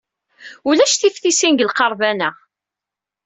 Ulac tiftisin deg lqerban-a.